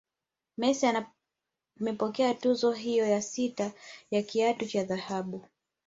Messi amepokea tuzo hiyo ya sita ya kiatu cha dhahabu